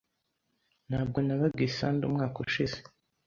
Ntabwo nabaga i Sanda umwaka ushize.